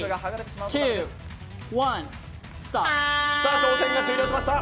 挑戦が終了しました